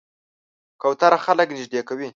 کوتره خلک نږدې کوي.